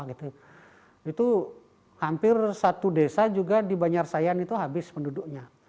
itu hampir satu desa juga di banjar sayan itu habis penduduknya